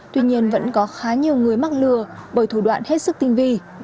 tuy nhiên vẫn có khá nhiều người mắc lừa bởi thủ đoạn hết sức tinh vi